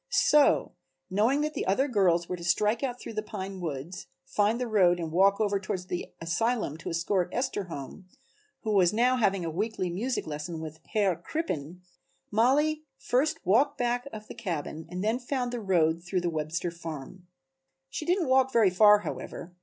So, knowing that the other girls were to strike out through the pine woods, find the road and walk over toward the asylum to escort Esther home (who was now having a weekly music lesson with Herr Crippen), Mollie first walked back of the cabin and then found the road through the Webster farm. She didn't walk very far however.